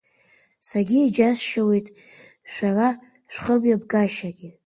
Саргьы иџьасшьауеит шәара шәхымҩаԥгашьагьы.